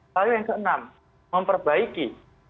lalu yang keenam memperbaiki